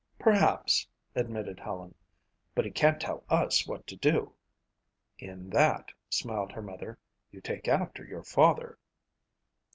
"Perhaps," admitted Helen, "but he can't tell us what to do." "In that," smiled her mother, "you take after your father."